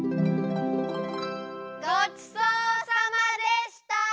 ごちそうさまでした！